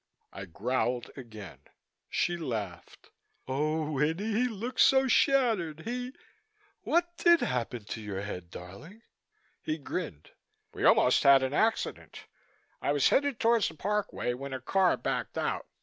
I growled again. She laughed. "Oh, Winnie, he looks so shattered. He what did happen to your head, darling?" He grinned. "We almost had an accident. I was headed towards the Parkway when a car backed out.